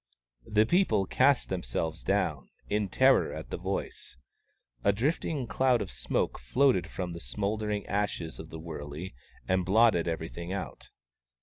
The people cast themselves down, in terror at the voice. A drifting cloud of smoke floated from the smouldering ashes of the wurley and blotted everything out.